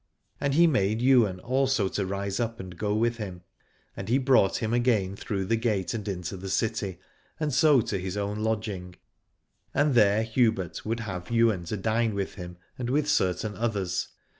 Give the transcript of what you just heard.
And he made Ywain also to rise up and go with him : and he brought him again through the gate and into the city, and so to his own lodging, and there Hubert would have Ywain to dine with him and with certain others.